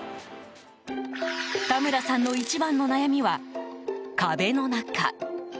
田村さんの一番の悩みは壁の中。